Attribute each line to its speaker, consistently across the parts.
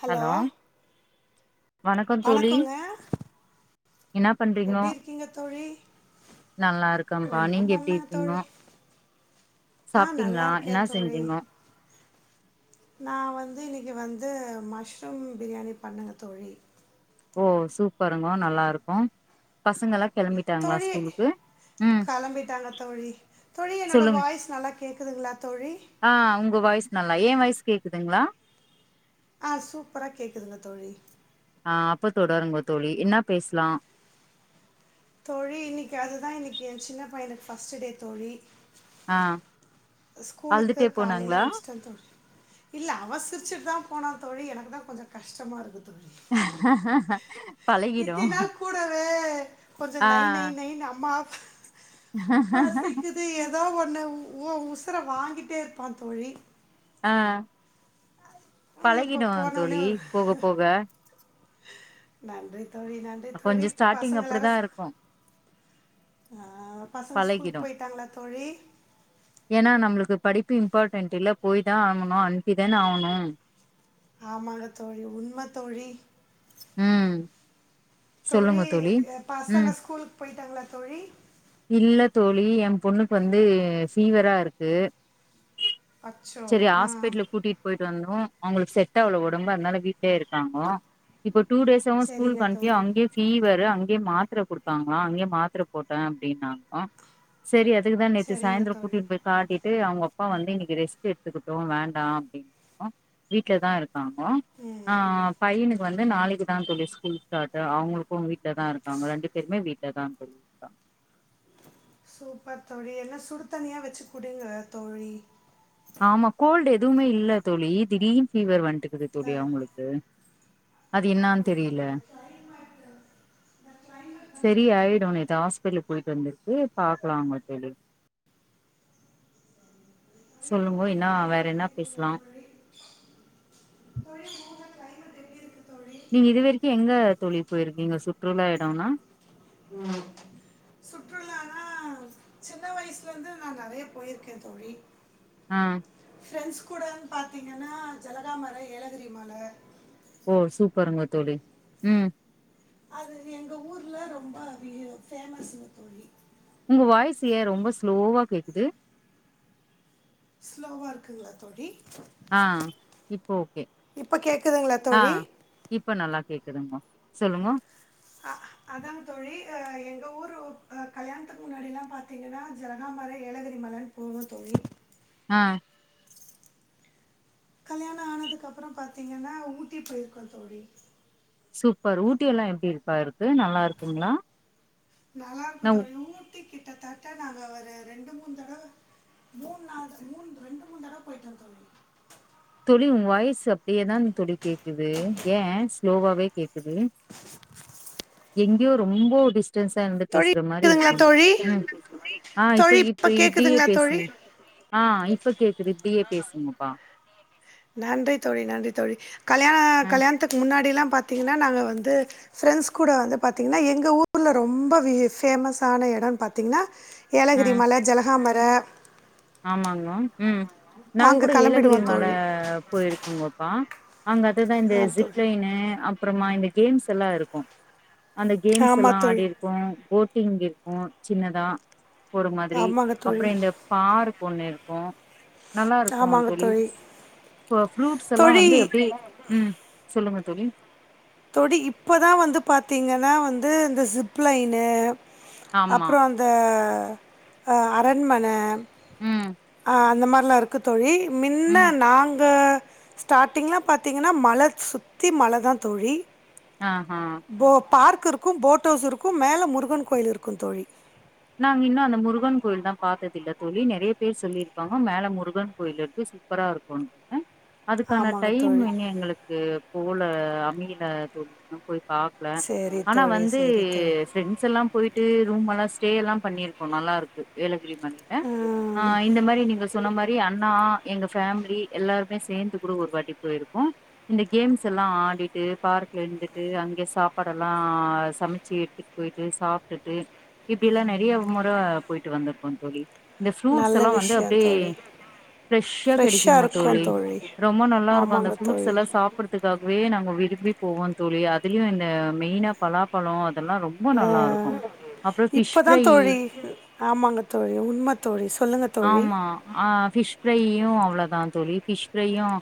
Speaker 1: Hello
Speaker 2: வணக்கம் தோழி
Speaker 1: வணக்கங்க
Speaker 2: என்ன பண்றீங்கோ
Speaker 1: எப்படி இருக்கீங்க தோழி
Speaker 2: நல்லா இருக்கப்பா
Speaker 1: ஒன்றும்
Speaker 2: நீங்க எப்படி
Speaker 1: பண்ணலங்க தோழி
Speaker 2: இருப்பீங்கோ
Speaker 1: ஆ நல்லா
Speaker 2: சாப்பிட்டீங்களா என்ன
Speaker 1: இருக்கேன் தோழி
Speaker 2: செஞ்சீங்கோ
Speaker 1: நான் வந்து இன்னைக்கு வந்து மஷ்ரூம் பிரியாணி பண்ணுங்க த தொழி
Speaker 2: ஓ சூப்பருங்க நல்லா இருக்கும் பசங்க எம்
Speaker 1: தோழி கிளம்பிட்டாங்க தோழி தோழி என்னோட
Speaker 2: சொல்லுங்க
Speaker 1: வாய்ஸ் நல்லா கேக்குதுங்களா தோழி
Speaker 2: ஆ உங்க வாய்ஸ் நல்லா ஏ கேக்குதுங்களா
Speaker 1: ஆஹ் சூப்பரா கேக்குதுங்க தோழி
Speaker 2: ஆஹ் அப்பத்தோருங்க தோழி என்ன பேசலாம்
Speaker 1: தோழி இன்னைக்கு அதுதான் இன்னைக்கு என் சின்ன பையனுக்கு பர்ஸ்ட் டே தோழி
Speaker 2: ஆஹ்
Speaker 1: ஸ்கூலுக்கு காலையிலயே அனுச்சுட்டேன் தோழி இல்ல அவசிரிச்சுட்டு தான் போன தொழி எனக்கு தான் கொஞ்சம் கஷ்டமா இருக்குது
Speaker 2: பழகிடு
Speaker 1: இத்தினாள் கூடவே கொஞ்சம்
Speaker 2: ஆ
Speaker 1: நை நை நை அம்மாவ பசிக்குது ஏதோ ஒண்ண ஏ ஊசுர வாங்கிட்டே இருப்பான் தோழி
Speaker 2: ஆஹ்
Speaker 1: இப்போ
Speaker 2: பழகிடும்
Speaker 1: போனோனே
Speaker 2: தோழி
Speaker 1: ஒரு
Speaker 2: போக போக
Speaker 1: நன்றி தோழி நண்டு தோழி
Speaker 2: கொஞ்சோ ஸ்டார்ட்டிங்
Speaker 1: பசங்க
Speaker 2: அப்டிதா
Speaker 1: எல்லாரும்
Speaker 2: இருக்கு
Speaker 1: ஆஹ் பசங்க ஸ்கூலுக்கு
Speaker 2: பழகிடு
Speaker 1: போயிட்டாங்களா தோழி
Speaker 2: இம்பார்டன்ட் இல்ல போய் தான் ஆகணும் அனுப்பி தானே ஆகணும்
Speaker 1: ஆமா தோழி உண்மை தோழி
Speaker 2: ஹம்
Speaker 1: தோழி
Speaker 2: ம்
Speaker 1: பசங்க ஸ்கூல் போயிட்டாங்களா தோழி
Speaker 2: இல்ல தோழி என் பொண்ணுக்கு வந்து ஃபீவரா இருக்கு
Speaker 1: அச்சோ
Speaker 2: சரி
Speaker 1: ஆ
Speaker 2: ஹாஸ்பிடலுக்கு கூட்டிட்டு போயிட்டு வந்தோம் அவங்களுக்கு செட்அவ்ளவு உடம்பு இருனால வீட்லயே இருக்காங்க இப்போ டூ டேஸ் ஸ்கூல்
Speaker 1: சரிங்க
Speaker 2: க அனுப்பியா
Speaker 1: தோழி
Speaker 2: அங்கே ஃபீவர் அங்க அங்கேயே மாத்திரை கொடுத்தாங்களா அங்கயே மாத்திரை போட்டேன் அப்படினா சேரி அதுக்கு தான் நேற்று
Speaker 1: சரிங்க
Speaker 2: சாயந்தரோம்
Speaker 1: தோழி
Speaker 2: கூட்டின்னு போய் காட்டிட்டு அவங்க அப்பா வந்து இன்னைக்கு ரெஸ்ட் எடுத்துக்கிட்டும் வேண்டாம் அப்படனு வீட்ல தான் இருக்கும் ஆம ஆ பையனுக்கு வந்து நாளைக்கு தான் த தோழி ஸ்கூல் ஸ்டார்ட் அவங்களுக்கும் வீட்டுல தான் இருக்காங்க ரெண்டு பேருமே வீட்டுல தான் சொல்லி இருக்காங்க
Speaker 1: சூப்பர் தோழி என்ன சுடு தனியா வச்சு குடிங்க தோழி
Speaker 2: ஆமா கோல்டு் எதுவுமே இல்ல தோழி இ திடிர் ஃபீவர் வந்துட்டு து தல்லியா
Speaker 1: எனக்கு
Speaker 2: உங்களுக்கு அது என்னான்ு தெரியல சரி ஆயிடும் இத ஆ போயிட்டு வந்திருக்கு பாக்கலாம்ங்க தெளி சொல்லுங்க என்ன்னா வேற
Speaker 1: எப்படி
Speaker 2: என்ன
Speaker 1: இருக்குது
Speaker 2: பேசலாம்
Speaker 1: தோழி தோழி உங்களோட எப்படி இருக்கு தோழி
Speaker 2: நீங்க இது வரைக்கும் எங்க தொழில் போயிருக்கீங்க சுற்றுலா இடம்னா
Speaker 1: சுற்றுலனா சின்ன வயசுல இருந்து நான் நிறைய போயிருக்கேன் தொழி
Speaker 2: ஆஹ்
Speaker 1: ஃப்ரெண்ட்ஸ் கூட பார்த்திங்கன்னா ஜலகாாமலை ஏலகிரி மலை
Speaker 2: ஓ சூப்பருங்க தோழி உம்
Speaker 1: அது எங்க ஊர்ல ரொம்ப பேமஸ்னு தோழி
Speaker 2: உங்க வாய்ஸ்சு ஏன் ரொம்ப ஸ்லோவா கேக்குது
Speaker 1: ஸ்லோவா இருக்குங்களா தோடி
Speaker 2: ஆஹ் இப்போ ஓகே
Speaker 1: இப்போ கேட்குதுங்களா தோழி
Speaker 2: ஆஹ் இப்ப நல்லா கேக்குதுங்க சொல்லுங்க
Speaker 1: அ அதான் தோழி எங்க ஊரு கல்யாணத்துக்கு முன்னாடி எல்லாம் பாாரத்தீங்கன்னா ஜனகாாமர ஏலகிரி மலன் பூம த தோழி
Speaker 2: ஆ
Speaker 1: கல்யாணம் ஆனதுக்கு அப்புறம் பாத்தீங்கன்னா ஊட்டி போயிருக்கோம் தோழி
Speaker 2: சூப்பர் ஊட்டி எல்லாம் எப்டி இருப்பா இருக்கு நல்லா இருக்குங்களா
Speaker 1: நல்லா
Speaker 2: நா
Speaker 1: இருக்கும் த சுற்றி கிட்டத்தட்ட நாங்கள் ஒரு ரெண்டு மூணு தடவை மூணு நாள் மூண ரெண்டு மூணு தடவை போய்டட்டுோு சொோன்ன
Speaker 2: தடி உ வாய்ஸ் அப்படியே தான் துடி கேக்குது ஏன் ஸ்லோவாவே கேக்குது எங்கேயோ ரொம்ப உடிச ா இருந்து
Speaker 1: தோழி
Speaker 2: பேசுற மாதிரி
Speaker 1: கேக்குதுங்களா
Speaker 2: இருக்கும்
Speaker 1: தோழி
Speaker 2: ம் ஆஹ்
Speaker 1: தோழி
Speaker 2: இப்ப
Speaker 1: இப்போ
Speaker 2: இப்ப இப்படியே
Speaker 1: கேட்குதுங்களா தோழி
Speaker 2: பேசுங்க ஆஹ் இப்ப கேக்குது இப்படியே பேசுங்கப்பா
Speaker 1: நன்றி தோழி நன்றி தோழி கல்யாண
Speaker 2: ம்
Speaker 1: கல்யாணத்துக்கு முன்னாடிெல்லாம் பார்த்த பார்த்தீங்கன்னா நாங்கள் வந்து ஃப்ரெண்ட்ஸ் கூட வந்துார்த்தீங்கன்னா எங்கள் ஊரில் ரொம்ப ஃபேமஸான இடம்னு பார்த்தீங்கன்னா ஏலகிரி
Speaker 2: ம்
Speaker 1: மலை ஜலகாாமரை
Speaker 2: ஆமாங்க ம் நான்
Speaker 1: அங்கே
Speaker 2: கூட ஏலகிரி
Speaker 1: கிளம்பிடுவோம்
Speaker 2: மலை
Speaker 1: தோழி
Speaker 2: போயிருக்கேங்கப்பா அங்க அதுதான் இந்த
Speaker 1: ஆ தோழி
Speaker 2: ஜிப்னு அப்புறமா இந்த கேம்ஸ் எல்லாம் இருக்கும் அந்த கேம்ஸ்
Speaker 1: ஆமாம்
Speaker 2: எல்லாம்
Speaker 1: தோழி
Speaker 2: ஆடிிருக்கோம் போட் எங்க இருக்கும் சின்னதா ஒரு மாதிரி
Speaker 1: ஆமாங்க தோழி
Speaker 2: அப்புறம் இந்த பார் பொண்ணு இருக்கோம் நல்லா இருக்கும்
Speaker 1: ஆமாங்க தோழி
Speaker 2: அலீஸ் ப்ரூட்ஸ் எல்லாம்
Speaker 1: தோழி
Speaker 2: வந்து எப்படி உம் சொல்லுங்க தொழி
Speaker 1: தொழி இப்பதான் வந்து பாத்தீங்கன்னா வந்து இந்த சிப்லைனு
Speaker 2: ஆமா.
Speaker 1: அப்புறம் அந்த அரண்மனை
Speaker 2: உம்
Speaker 1: அந்த மாதிரிலாம் இருக்கு தொழி மின்னா நாங்கள் ஸ்டாரிங்லாம் பாத்தீங்கன்னா மழை சுத்தி மழைதான் தோழி
Speaker 2: ஆஹ் ஆஹ்
Speaker 1: போ பார்க் இருக்கும் போட் ஹவுஸ் இருக்கும் மேல முருகன் கோயில் இருக்கும் தோழி
Speaker 2: நாங்க இன்னும் அந்த முருகன் கோயில தான் பார்த்தது இல்ல தோழி நிறைய பேர் சொல்லியிருப்பாங்க மேல முருகன் கோயில் இருக்கு சூப்பரா இருக்கும்ன்னு அதுக்கான
Speaker 1: ஆமாங்க
Speaker 2: டைம்
Speaker 1: தோழி
Speaker 2: இன எங்களுக்கு போ போ்ள அமில தொழும் போய் பாக்கல
Speaker 1: சரி
Speaker 2: ஆனா
Speaker 1: தோழி
Speaker 2: வந்து
Speaker 1: சரி தோழி
Speaker 2: ஸ்டோண்ஸ் எல்லாம் போயிட்டு ரூம் எல்லாம் ஸ்டே எல்லாம் பண்ணிருக்கோம் நல்லா இருக்குக்கு ஏழு எட்டு பண்ணேன்
Speaker 1: ம்,
Speaker 2: இந்த மாரி நீங்க சொன்ன மாரி அண்ணா எங்க ஃபேமிலி எல்லாருமே சேர்ந்து கூட ஒரு வாட்டி போயிருக்கும் இந்த கேம்ஸ் எல்லாம் ஆடிட்டு பார்க்கல இருந்துட்டு அங்கே சாப்பாட எல்லாம் சமைச்சு எடுத்துட்டு போயிட்டு சாப்பிட்டுட்டு இப்படி எல்லாம் நிறைய முறை போயிட்டு வந்திருக்கோம் தோழி இந்த ஃப்ரூட்ஸ்
Speaker 1: நல்ல
Speaker 2: எல்லாம் வந்து
Speaker 1: விஷயம்
Speaker 2: அப்படியே
Speaker 1: தோழி
Speaker 2: ஃரெஷ்ஷா
Speaker 1: ஃப்ரெஷ்ஷாக
Speaker 2: கிடைக்குங்க
Speaker 1: இருக்கும்
Speaker 2: தோழி ரொம்ப நல்லா இருக்கும் அந்த
Speaker 1: ஆமாங்க
Speaker 2: ஃப்ரூட்ஸ்
Speaker 1: தோழி
Speaker 2: எல்லாம் சாப்பிடுறதுக்காகவே நாங்க வ எப்படி போகு தோழி அதுலயும் இந்த மெயினா பலாபழம் இதெல்லாம் ரொம்ப
Speaker 1: ஆ
Speaker 2: நல்லா இருக்கும்
Speaker 1: இப்பதான் தோழி ஆமாங்க தோழி உண்மை தோழி சொல்லுங்க தோழி
Speaker 2: ஆமா ஆ ஃபிஷ் ஃப்ரையு அவ்ளோதா தோழி ஃபிஷ் ஃப்ரையும் [unintelligible]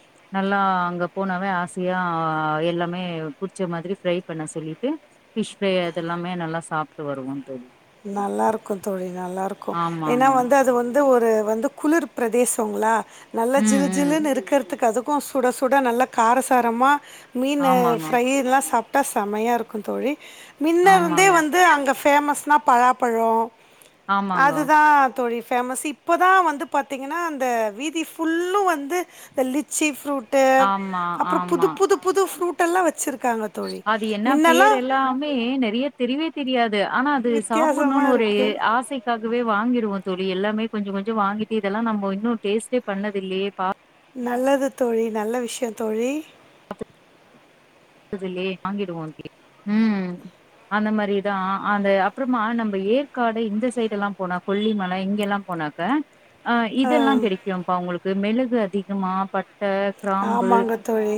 Speaker 1: நல்லாருக்கும் தோழி நல்லாருக்கும் ஏன்னா
Speaker 2: ஆமாங்க
Speaker 1: வந்து அது வந் வந்து ஒரு வந்து குளிர் பிரதேசங்களா நல்ல
Speaker 2: ம்
Speaker 1: ஜிலு
Speaker 2: ம்
Speaker 1: ஜிலுனு இருக்கிறதுக்கு அது க்கும் சுட சுட நல்ல காரசாரமா மீன்
Speaker 2: ஆமாங்க
Speaker 1: ஃப்ரைெலாம் சாப் க செமையா இருக்கும் தோழி மின்னருந்தே
Speaker 2: ஆமாங்க
Speaker 1: வந்து அங்க ஃபேமஸ் பழாப்பழம்
Speaker 2: ஆமாங்க
Speaker 1: அதுதான் தோழி ஃபேமஸ் இப்போ தான் வந்து பாத்தீங்கன்னா அந்த வீதி ஃபுல்லும் வந்து இந்த லிச்சி ஃப்ரூட் ட்டு
Speaker 2: ஆமா
Speaker 1: அப்புறம் புது
Speaker 2: ஆமா
Speaker 1: புது புது ஃப்ரூட் டெல்லாம் வச்சிருக்
Speaker 2: அது என்ன பேர் எல்லாமே நறைய தெரியவே தெரியாது ஆனா அது
Speaker 1: வித்தியாசமா
Speaker 2: சாப்பிடணும்னு ஒரு
Speaker 1: இருக்கு.
Speaker 2: ஆசைக்காகவே வாங்கி தோழி எல்லாமே கொஞ்சம் கொஞ்சம் வாங்கிட்டு இதெல்லாம் நம்ம இன்னும் டேஸ்ட்டேபண்ணதில்லயே
Speaker 1: நல்லது தோழி நல்ல விஷயம் தோழி
Speaker 2: வாங்கிடுவோ ஹம் அந்த மாரிதான் அந்த அப்புறமா நம்ம ஏற்காடு இந்த சைடு எல்லாம் போனா கொல்லிமலை இங்க எல்லாம் போனாக்க ஆஹ்
Speaker 1: ஆ,
Speaker 2: இதெல்லாம் கிடைக்கும்ப்பா உங்களுக்கு மிளகு அதிகமா பட் டை கிராம்பு
Speaker 1: ஆமாங்க தோழி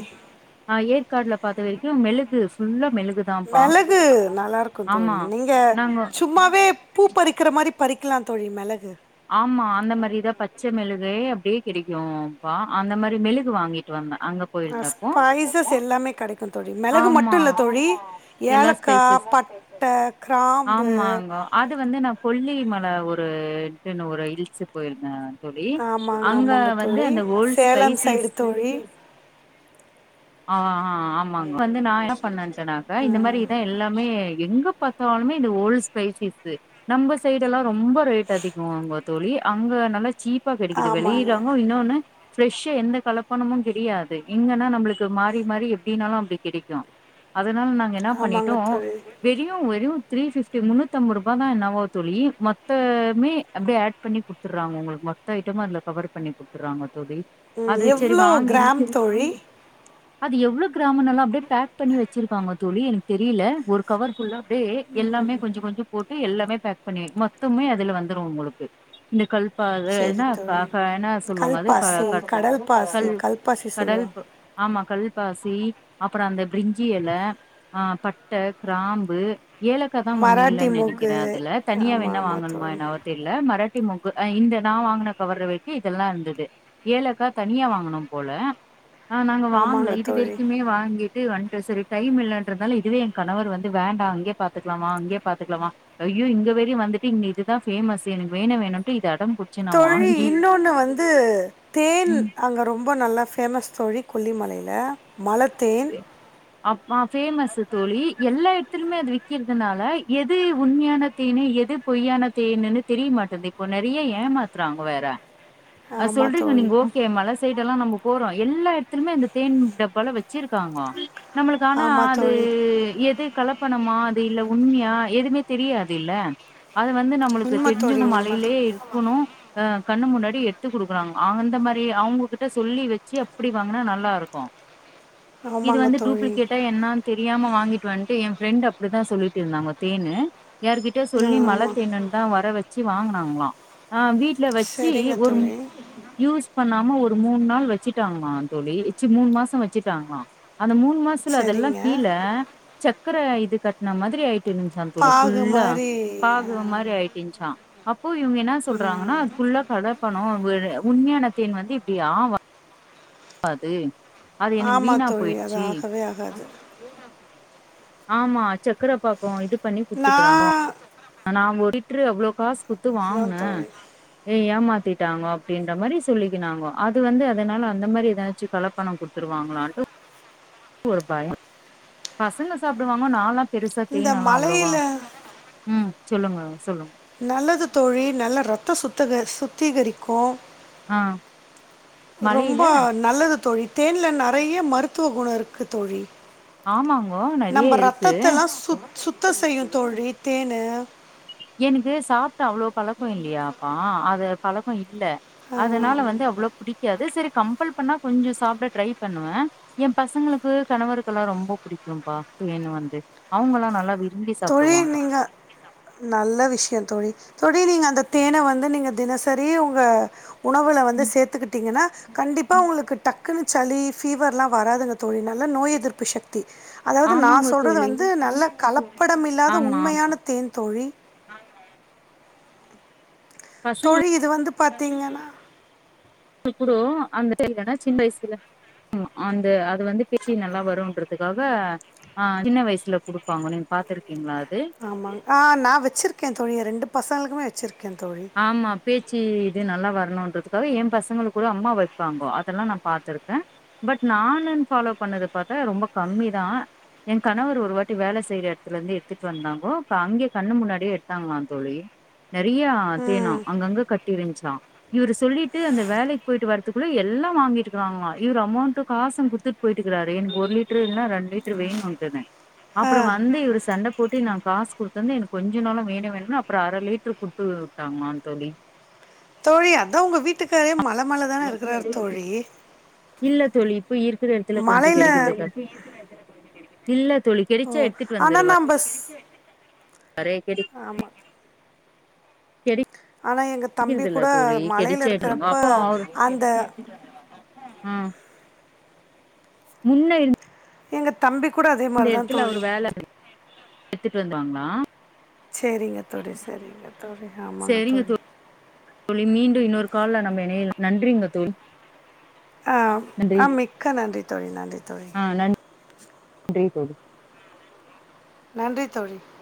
Speaker 2: ஏற் காடுல பாத்த வரைக்கும் மெளகு ஃபுல்லா தான்ப்பா.
Speaker 1: மெளகு நல்லா இருக்கும்
Speaker 2: ஆமா.
Speaker 1: தோழி நீங்க
Speaker 2: நாங்க
Speaker 1: சும்மாவே பூ பறிக்கிற மாரி பறிக்கலாம் தோழி மெளகு
Speaker 2: ஆமா அந்த மாரிதான் பச்சை மிளகு கிடைக்கும்ப்பா அந்த மாரி மெளுகு வாங்கிட்டு வந்தேன்
Speaker 1: ஸ்பைசஸ் எல்லாமே கெடைக்கும் தோழி மெளகு
Speaker 2: ஆமா
Speaker 1: மட்டும் இல்ல தோழி
Speaker 2: எல்லா
Speaker 1: ஏலக்காய்
Speaker 2: ஸ்பைசஸ்
Speaker 1: பட்டை கிராம்பு
Speaker 2: கொல்லி மலை ஒருட்டுன்னு ஒரு ஹில்ஸ் போயிருந்தேன்
Speaker 1: ஆமாங்க ஆமாங்க தோழி
Speaker 2: ஓல்ட்
Speaker 1: சேலம் சைடு
Speaker 2: ஸ்பைசிஸ்
Speaker 1: தோழி
Speaker 2: ஆஹ் ஆஹ் ஆமாங்க வந்து நான் என்ன பண்ணே சொன்னாக்கா இந்த மாரி இதான் எல்லாமே எங்க பார்த்தாலுமே இது ஓல் ஸ்பைசிஸ் நம்ப சைட எல்லாம் ரொம்ப ரேட் அதிகம் அங்க தோழி அங்க நல்லா சீப் சீப்பா கிடைக்குது
Speaker 1: ஆமாங்க
Speaker 2: விளியுறாங்க இன்னொன்னு பிரெஷா எந்த கலப்பணமும் கிடையாது எங்கன்னா நம்மளுக்கு மாரி மாரி எப்படின்னாலும் அப்டி கிடைக்கும் அதனால நாங்க என்ன
Speaker 1: ஆமாங்க
Speaker 2: பண்ணிட்டோம்
Speaker 1: தோழி
Speaker 2: வெறியும் வெறும் த்ரீ ஃபிப்டி முன்னூத்துஐம்பது ரூபா தான் என்னவோ தோழி மொத்தமே அப்படியே ஆட் பண்ணி கொடுத்துடுறாங்க உங்களுக்கு மொத்த ஐட்டம் அதில் கவர் பண்ணி கொடுத்துடுறாங்க
Speaker 1: உம் எவ்வளோ கிராம் தோழி
Speaker 2: அது எவ்வளவு கிராமனாலும் அப்படியே பேக் பண்ணி வச்சிருக்காங்க தோழி எனக்கு தெரியல ஒரு கவர் புல்லா எல்லாமே கொஞ்சம் கொஞ்சம் போட்டு எல்லாமே பேக் பண்ணி மொத்தமே அதுல வந்துரும் உங்களுக்கு இந்த கல்
Speaker 1: சேரி தோழி
Speaker 2: அது க
Speaker 1: கல்பாசி
Speaker 2: க
Speaker 1: கடல் பாசி
Speaker 2: கல்
Speaker 1: கல்பாசி
Speaker 2: கடல்
Speaker 1: சொல்லுவா
Speaker 2: ப- ஆமா கல்பாசி அப்பறம் அந்த பிரிஞ்சி இலை ஆஹ் பட்டை கிராம்பு ஏலக்காய் தான் ஒன்னு
Speaker 1: மராட்டி
Speaker 2: இல்லைன்னு
Speaker 1: மொக்கு
Speaker 2: நினைக்கிறேன் அதுல தனியா
Speaker 1: ஆமாம்
Speaker 2: என்ன
Speaker 1: ஆமாம்
Speaker 2: வாங்கணுமா
Speaker 1: தோழி
Speaker 2: என்னவோ தெரியல மர மூக்கு இந்த நான் வாங்கின கவரவேட்டி இதெல்லாம் இருந்தது ஏலக்காய் தனியா வாங்கனும் போல ஆஹ் நாங்க வாங்கல
Speaker 1: ஆமாங்க
Speaker 2: இது
Speaker 1: தோழி
Speaker 2: வரைக்குமே வாங்கிட் வந்துட்டு சேரி டைம் இல்லன்றதால இதுவே என் கணவர் வந்து வேண்டாம் அங்கே பாத்துக்கலாமா அங்கே பாத்துக்கலாமா ஐயோ இங்க வேரியையும் வந்துட்டு இங்க இதுதான் பேமஸ் எனக்கு வேண வேணும்ட்டு
Speaker 1: தோழி இன்னொன்னு வந்து தேன்
Speaker 2: ம்
Speaker 1: அங்க ரொம்ப நல்லா பேஃமஸ் தோழி கொல்லிமலையில மலத்தேன்
Speaker 2: அப்ப பேமஸ் தோழி எல்லா இடத்துலுமே அது விக்கிறதுனால எது உண்மையான தேன்னு எது பொய்யான தேன்னுன்னு தெரியமாட்டேது இப்போ நிறைய ஏமாத்துறாங்க வேற அஹ்
Speaker 1: ஆமாம்
Speaker 2: சொல்றீங்க
Speaker 1: தோழி
Speaker 2: நீங்க ஓகே மழை சைட எல்லாம் நம்ப போறோம் எல்லா இடத்துலுமே இந்த தேன் டப்பால வச்சிருக்காங்க நம்மளுக்கு ஆனா
Speaker 1: ஆமாம்
Speaker 2: அது
Speaker 1: தோழி
Speaker 2: எது கலப் பண்ணமா அது இல்ல உண்மையா எதுவுமே தெரியாது இல்ல அது வந்து நம்மளுக்கு
Speaker 1: உண்மை தோழி
Speaker 2: தெரிஞ்சுங்க
Speaker 1: உண்மை தோழி
Speaker 2: மழையிலயே இருக்கணும் அஹ் கண்ணு முன்னாடி த்து குடுக்கறாங்க அந்த மாரி அவங்ககிட்ட சொல்லி வச்சு அப்டி வாங்கினா நல்லா இருக்கும் இது
Speaker 1: ஆமாங்க
Speaker 2: வந்து
Speaker 1: தோழி
Speaker 2: டூப்ளிகேட்டா என்னனு தெரியாம வாங்கி வன்ட்டு என் ஃரெண்ட் அப்டிதான் சொல்லிட்டு இருந்தாங்க தேன்னு யார்கிட்ட
Speaker 1: ஆ
Speaker 2: சொல்லி
Speaker 1: ஆமாம்
Speaker 2: மழைத்தேன்னும் தான் வர வச்சு வாங்க ங்களாம் வீட் ல வச்சு
Speaker 1: சரிங்க
Speaker 2: ஒரு
Speaker 1: தோழி
Speaker 2: யூஸ் பண்ணாம ஒரு மூணு நாள் வச்சுட்டாங்களாம் தோழி மூணு மாசம் வச்சுட்டாங்களாம் அந்த மூணு மாசல அதெல்லாம்
Speaker 1: சரிங்க
Speaker 2: கீழ சக்கர இ கட்டுன மாதிரி ஆயிட்டு எட்டு நிமிஷம் தோழி
Speaker 1: பாகு
Speaker 2: ஃபுல்லா
Speaker 1: மாதிரி ஆ,
Speaker 2: பாகு ஒரு மாதிரி ஆயிட்டு இஞ்ச்சான் இப்போ இவுங்க என்னா சொல்றாங்கன்னா அது ஃபுல்லா அதான் பணம் ஒரு உண்மையான தேன் வந்து இப்படி ஆ வாது
Speaker 1: ஆமா தோழி அது ஆகவே ஆகாது
Speaker 2: ஆமா சக்கரைப்பா கும் இது பண்ணி குடுத்துட்டுறாங்கோ
Speaker 1: நான்
Speaker 2: நாங்க ஒரு அவ்ளோ காஸ் குத்து
Speaker 1: இதுதான்
Speaker 2: வாங்கின
Speaker 1: தோழி
Speaker 2: ஏமாத் திட்டுறாங்க அப்படின்ற மாரி சொல்லிக்கினாங்கோ அது வந்து அதனால அந்த மாரி ஏதாச்சும் கலப்பணம் கொடுத்துருவாங்களான்ட்டு ஒரு பயம் பசங்க சாப்பிடுவாங்க நாலாம் பெருசா
Speaker 1: இந்த
Speaker 2: தேன் எல்லாம் அவ்வளோவா
Speaker 1: மலையில்
Speaker 2: உம் சொல்லுங்க சொல்லுங்க
Speaker 1: நல்லது தோழி நல்ல ரத்தம் சுத்தக சுத்திகரிக்கும்
Speaker 2: ஆஹ்
Speaker 1: ரொம்ப நல்லது தோழில் தேன்ல நிறைய மருத்துவ குணம் இருக்கு தோழி
Speaker 2: ஆமாங்கோ நறைய
Speaker 1: நம்ம
Speaker 2: இருக்கு
Speaker 1: ரத்தத்தெல்லாம் சுத் சுத்தம் செய்யும் தோழி தேனு
Speaker 2: எனக்கு சாப்பிட்டு அவ்வளோ பலக்கம் இல்லையாப்பா அத பழகம் இல்ல அதனால வந்து அவ்வளோ பிடிக்காது சரி கம்பல் பண்ணா கொஞ்சம் சாப்பிட ட்ரை பண்ணுவேன் என் பசங்களுக்கு கணவருக்கெல்லாம் ரொம்ப பிடிக்கும்பா தேன் வந்து அவுங்கல்லாம் நல்லா விரு ம்பி
Speaker 1: தோழி
Speaker 2: சாப்பிடுவாங்க
Speaker 1: நீங்க நல்ல விஷயம் தோழி தோழி நீங்க அந்த தேன்ன வந்து நீங்க தினசரி உங்க உணவுல வந்து
Speaker 2: ம்
Speaker 1: சேர்த்துக்கிட்டீங்கன்னா கண்டிப்பா
Speaker 2: ம்
Speaker 1: உங்களுக்கு டக் குனு சளி ஃபீவர் எலாம் வராதுங்க தோழி நல்லா நோய் எதிர்ப்பு சக் தி அதாவது நான்
Speaker 2: ஆமாங்க
Speaker 1: சொல்றது
Speaker 2: தோழி
Speaker 1: வந்து நல்ல கலப் படமில்லாத
Speaker 2: ஆமா
Speaker 1: உண்மையான
Speaker 2: ஆமா
Speaker 1: தேன் தோழி ஆஹ் ஹ்
Speaker 2: பசங்களுக்கு
Speaker 1: தொழில் இது வந்து பத்தீங்கன்னா
Speaker 2: அந்தன்னா சின்ன வயசுல அந்த அது வந்து பேசி நல்லா வரும்ன்றதுக்காக ஆஹ் சின்ன வயசுல குடுப்பாங்க நீ பாத்துருக்க
Speaker 1: ஆமா ஆஹ் நான் வச்சிருக்கேன் துனிய ரெண்டு பசங்களுக்குமே வன்
Speaker 2: ஆமா பேச்சு இது நல்லா வரணும்ன்றதுக்கு என் பசங்களுக்கு கூட அம்மா வைப்பாங்கோ அதெல்லாம் நான் பாத்திருக்கேன் பட் நானு ஃபாலோ பண்ணது பார்த்தா ரொம்ப கம்மிதான் என் கணவர் ஒரு வாட்டி வேலை செய்யற இடத்துல இருந்து எடுத்துட்டு வந்தாங்கோ அங்கே கண்ணு முன்னாடியே எடுத்தாங்களாம் தோழி நிறைய
Speaker 1: ம்
Speaker 2: தேணாம் அங்கங்கே கட்டியிருந்து்சான் இவர் சொல்லிட்டு அந்த வேலைக்கு போயிட்டு வரதுக்குள்ளே எல்லாம் வாங்கிட்டுக்கிறாங்களா இவவர் அமௌண்ட்ட காசும் கொடுத்துட்டு போயிட்டு இருக்கறாரு எனக்கு ஒரு லிட்டரு இல்லைா ரெண்டு லிட்டரு வேணும்ன்தேன் அப்புறம் வந்து இவர் சண்டை போட்டு நான் காசு கொடுத்துந்து எனக்கு கொஞ்ச நாளம் வேண வேணும்னனு அப்புறம் அரை லிட்ரு கொடுத்து [unintelligible] தாங்கமான் தழ
Speaker 1: தோழி அதான் உங்க வீட்டுக்காரே மழ மலைை தானே இருக்கிறரு தோழி
Speaker 2: இல்ல தொலி
Speaker 1: மழையில
Speaker 2: இல்ல தொளி கெடிச்சா எடுத்துட்டு வந்துடுவார் அரே க
Speaker 1: ஆமா ஆனா எங்க தம்பி
Speaker 2: கெடைக்கிறது இல்ல
Speaker 1: கூட
Speaker 2: தோழி
Speaker 1: மலையில
Speaker 2: கெடைச்சா எடுத்துருவாங்க
Speaker 1: இருக்கிறப்ப
Speaker 2: அப்போ அவரு
Speaker 1: அந்த
Speaker 2: ஆ முன்ன இருந்து
Speaker 1: எங்க தம்பி குக்குடா அதே மாதிரி தான்
Speaker 2: வேல எடுத்துட்டு வந்தாங்கனா
Speaker 1: சரிங்க தோழி சரிங்க த்த [unintelligible] றை
Speaker 2: சரிங்க
Speaker 1: ஆமால்லத்தறை
Speaker 2: தோழி மீண்டும் இன்னொரு கால்ல நம்ம இணையலாம் நன்றிங்க தோழி
Speaker 1: ஆஹ்
Speaker 2: நன்றி
Speaker 1: ஆஹ் மிக்க நன்றி தோழி நன்றி தோழி
Speaker 2: போடு
Speaker 1: நன்றி தோழி